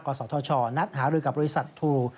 ก่อสรทชนัดหารุกับบริษัททูล